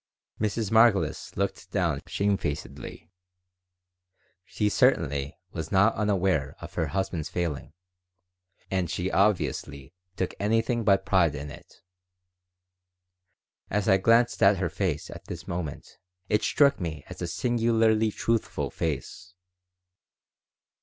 Mrs. Margolis looked down shamefacedly. She certainly was not unaware of her husband's failing, and she obviously took anything but pride in it. As I glanced at her face at this moment it struck me as a singularly truthful face.